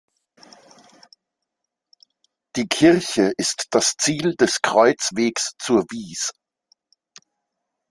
Die Kirche ist das Ziel des Kreuzwegs zur Wies.